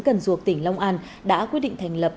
cần duộc tỉnh long an đã quyết định thành lập